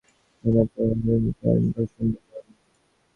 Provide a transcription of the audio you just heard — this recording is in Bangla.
ধ্যানের পর তাঁহার একটি কন্যা ও দশ ইন্দ্রিয় জন্মিল।